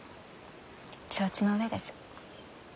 承知の上です。